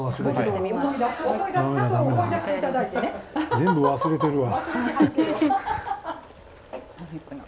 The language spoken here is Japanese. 全部忘れてるわ。